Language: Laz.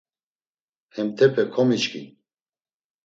Hentepe komiçkin.